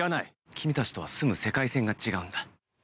君たちとは住む世界線が違うんだ。